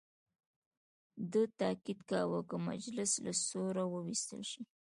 ده تاکید کاوه که مجلس له سوره وویستل شي.